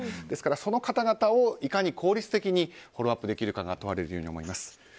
ですからその方々をいかに効率的にフォローアップできるかが問われるように思います。